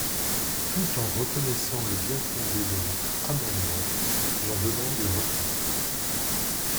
Tout en reconnaissant le bien-fondé de votre amendement, j’en demande le retrait.